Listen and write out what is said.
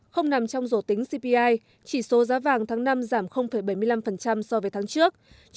không nằm trong rổ tính cpi chỉ số giá vàng tháng năm giảm bảy mươi năm so với tháng trước